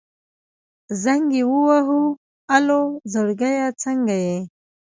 زنګ يې ووهه الو زړګيه څنګه يې.